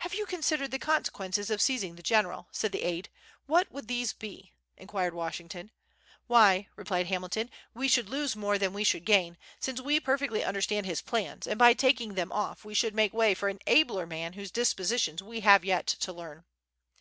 "Have you considered the consequences of seizing the General?" said the aide. "What would these be?" inquired Washington. "Why," replied Hamilton, "we should lose more than we should gain; since we perfectly understand his plans, and by taking them off, we should make way for an abler man, whose dispositions we have yet to learn."